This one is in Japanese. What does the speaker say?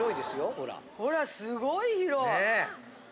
ほらすごい広い。